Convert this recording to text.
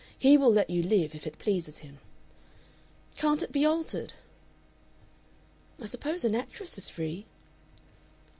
He will let you live if it pleases him.... "Can't it be altered? "I suppose an actress is free?..."